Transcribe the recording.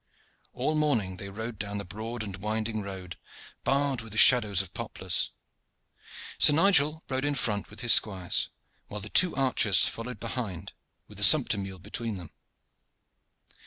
All morning they rode down a broad and winding road, barred with the shadows of poplars. Sir Nigel rode in front with his squires, while the two archers followed behind with the sumpter mule between them.